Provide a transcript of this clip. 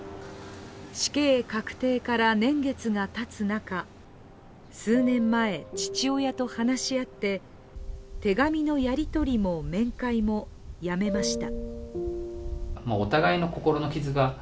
死刑確定から年月がたつ中数年前、父親と話し合って手紙のやり取りも面会もやめました。